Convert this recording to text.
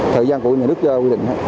thời gian của người nước quy định